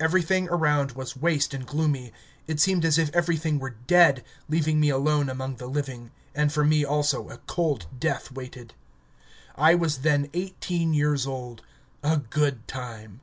Everything around was waste and gloomy ... it seemed as if everything were dead, leaving me alone among the living, and for me also a cold death waited. I was then eighteen years old a good time!